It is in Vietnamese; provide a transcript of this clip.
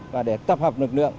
và để tập hợp lực lượng